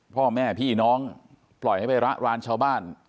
พ่อแม่พี่น้องปล่อยให้ไประรานชาวบ้าน